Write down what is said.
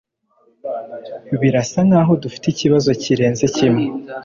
Birasa nkaho dufite ikibazo kirenze kimwe.